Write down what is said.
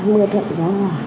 mưa thận gió hỏa